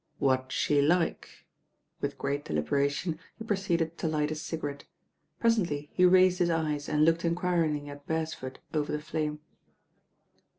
"What's she like?" With great deliberation he proceeded to light a cigarette. Presently he raised his eyes and looked enquiringly at Beresford over the flame.